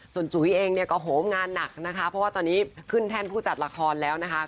ส่วนจุ๋ยเองเนี่ยก็โหมงานหนักนะคะเพราะว่าตอนนี้ขึ้นแท่นผู้จัดละครแล้วนะคะ